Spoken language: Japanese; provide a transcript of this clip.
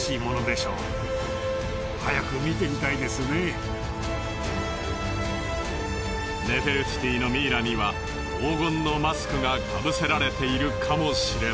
ここがネフェルティティのミイラには黄金のマスクがかぶせられているかもしれない。